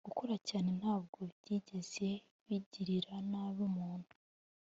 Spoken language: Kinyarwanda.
gukora cyane ntabwo byigeze bigirira nabi umuntu